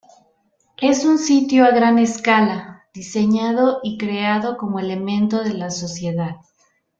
Es un sitio a gran escala, diseñado y creado como elemento de la sociedad.